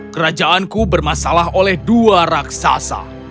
kerajaanku bermasalah oleh dua raksasa